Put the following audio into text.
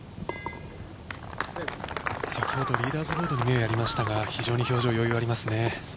先ほどリーダーズボードに目をやりましたが、非常に余裕がありますね。